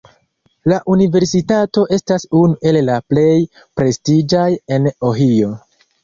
La universitato estas unu el la plej prestiĝaj en Ohio.